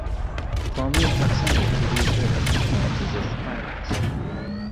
Colombia's proximity to the equator influences its climates.